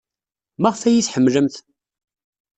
Maɣef ay iyi-tḥemmlemt?